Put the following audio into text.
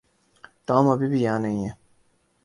Tom ابھی بھی یہاں نہیں ہے۔